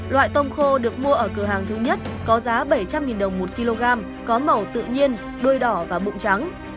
loại tôm khô được mua ở cửa hàng thứ nhất có giá bảy trăm linh đồng một kg có màu tự nhiên đuôi đỏ và bụng trắng